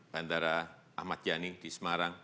bandara ahmad yani di semarang